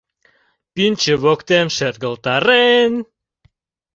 Пӱнчӧ воктен шергылтарен